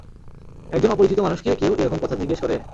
একজন অপরিচিত মানুষকে কেউ এ রকম কথা জিজ্ঞে করে?